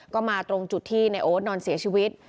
ก็มาตรงจุดที่ในโอ๊ตนอนเสียชีวิต